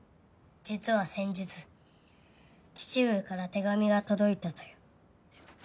実は先日父上から手紙が届いたぞよ。